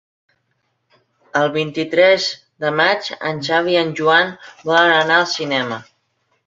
El vint-i-tres de maig en Xavi i en Joan volen anar al cinema.